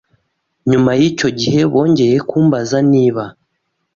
Nyuma y’icyo gihe bongeye kumbaza niba